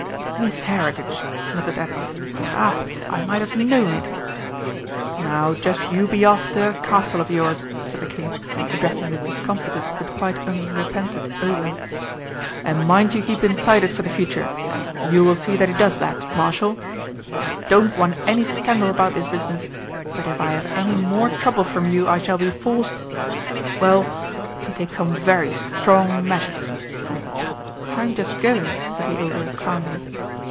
"Miss Heritage!" muttered Edna. "Ah! I might have known it!" "Now just you be off to that castle of yours," said the King, addressing the discomfited but quite unrepentant Ogre. "And mind you keep inside it for the future. You will see that he does that, Marshal? I don't want any scandal about this business, but if I have any more trouble from you, I shall be forced well, to take some very strong measures." "I'm just going," said the Ogre calmly.